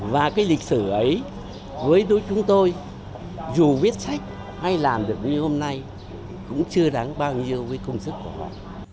và cái lịch sử ấy với đối chúng tôi dù viết sách hay làm được như hôm nay cũng chưa đáng bao nhiêu với công sức của họ